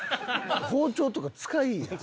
包丁とか使いいや。